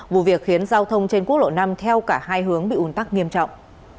vụ việc khiến giao thông trên quốc lộ năm theo cả hai hướng bị ủn tắc nghiêm trọng